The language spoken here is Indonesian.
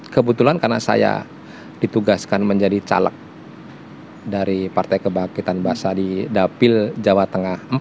kebetulan karena saya ditugaskan menjadi caleg dari partai kebangkitan basah di dapil jawa tengah